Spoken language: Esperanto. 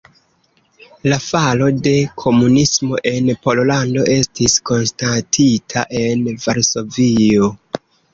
La falo de komunismo en Pollando estis konstatita en Varsovio.